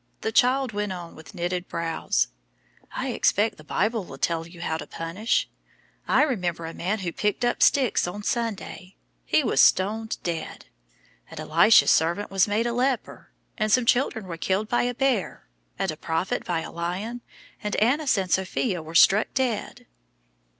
The child went on with knitted brows: "I expect the Bible will tell you how to punish. I remember a man who picked up sticks on Sunday he was stoned dead; and Elisha's servant was made a leper, and some children were killed by a bear, and a prophet by a lion, and Annas and Sophia were struck dead.